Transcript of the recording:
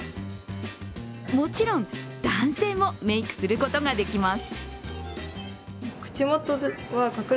もちろん男性もメークすることができます。